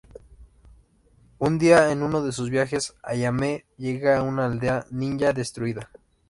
Un día en uno de sus viajes, Ayame llega a una aldea ninja destruida.